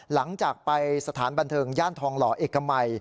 หลังจากไปสถานบันเทิงย่านทองหล่อเอกมัย